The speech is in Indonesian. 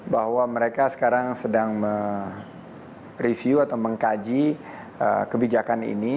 bahwa mereka sekarang sedang mereview atau mengkaji kebijakan ini